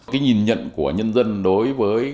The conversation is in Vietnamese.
cái nhìn nhận của nhân dân đối với